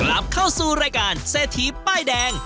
กลับเข้าสู่รายการเศรษฐีป้ายแดง